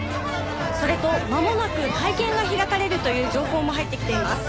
それとまもなく会見が開かれるという情報も入ってきています。